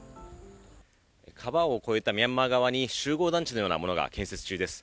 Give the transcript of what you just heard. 川を超えたミャンマー側に集合団地のようなものが建設中です。